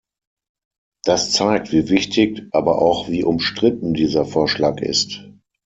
Das zeigt, wie wichtig, aber auch wie umstritten dieser Vorschlag ist.